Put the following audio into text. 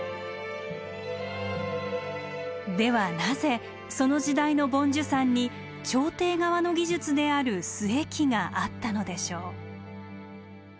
ではなぜその時代の梵珠山に朝廷側の技術である須恵器があったのでしょう？